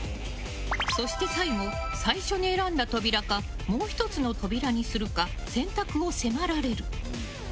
そして最後、最初に選んだ扉かもう１つの扉にするか選択を迫られる。